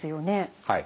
はい。